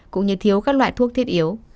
cũng như thiếu các loại thuốc thiết yếu